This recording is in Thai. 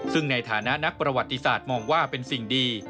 ซึ่งในฐานะนักประวัติศาสตร์มองว่าเป็นสิ่งดี